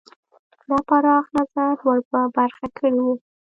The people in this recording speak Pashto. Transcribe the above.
دا پراخ نظر ور په برخه کړی وو.